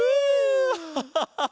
ハハハハハ！